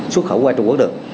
xuất khẩu qua trung quốc được